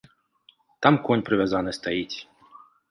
Там конь прывязаны стаіць.